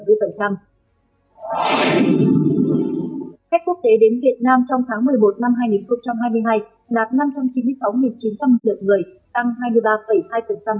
khách quốc tế đến việt nam trong tháng một mươi một năm hai nghìn hai mươi hai đạt năm trăm chín mươi sáu chín trăm linh lượt người tăng hai mươi ba hai so với tháng trước